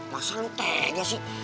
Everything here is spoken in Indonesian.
masalahnya tega sih